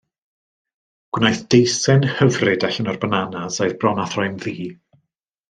Gwnaeth deisen hyfryd allan o'r bananas oedd bron â throi'n ddu.